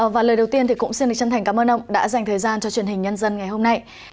và lời đầu tiên thì cũng xin được chân thành cảm ơn ông đã dành thời gian cho truyền hình nhân dân ngày hôm nay